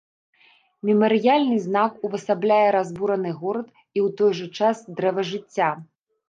Мемарыяльны знак увасабляе разбураны горад і ў той жа час дрэва жыцця.